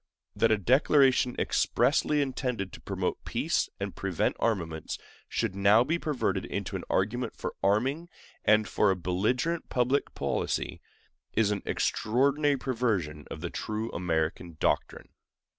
That a declaration expressly intended to promote peace and prevent armaments should now be perverted into an argument for arming and for a belligerent public policy is an extraordinary perversion of the true American doctrine.